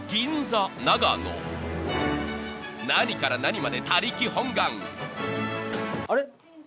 ［何から何まで他力本願］